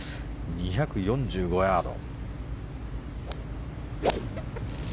２４５ヤード。